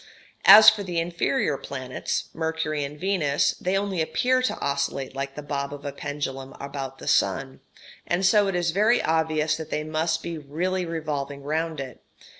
As for the inferior planets (Mercury and Venus) they only appear to oscillate like the bob of a pendulum about the sun, and so it is very obvious that they must be really revolving round it.